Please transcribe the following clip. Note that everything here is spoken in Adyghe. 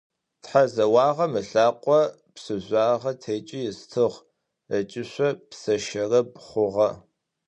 Тхьэзэуагъэм ылъакъо псыжъуагъэ текӏи ыстыгъ, ыкӏышъо псыщэрэб хъугъэ.